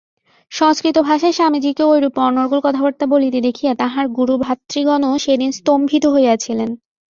সংস্কৃতভাষায় স্বামীজীকে ঐরূপে অনর্গল কথাবার্তা বলিতে দেখিয়া তাঁহার গুরুভ্রাতৃগণও সেদিন স্তম্ভিত হইয়াছিলেন।